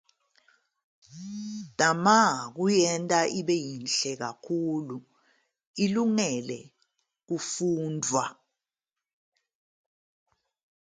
Zama ukuyenza ibe yinhle kakhulu ilungele ukufundwa.